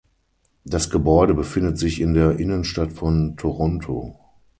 Das Gebäude befindet sich in der Innenstadt von Toronto.